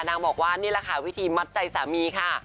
บอกว่านี่แหละค่ะวิธีมัดใจสามีค่ะ